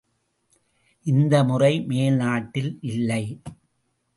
இந்த முறை மேல் நாட்டில் இல்லை.